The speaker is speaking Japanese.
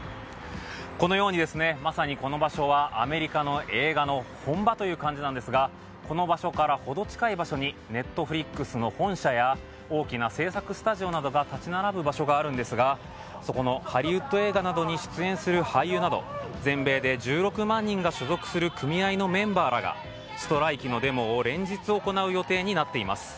まさにこの場所はアメリカの映画の本場という感じですがこの場所からほど近い場所にＮｅｔｆｌｉｘの本社や大きな制作スタジオなどが立ち並ぶ場所があるんですがそこの、ハリウッド映画などに出演する俳優など全米で１６万人が所属する組合のメンバーらがストライキのデモを連日行う予定になっています。